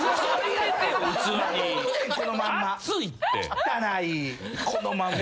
汚いこのまんま。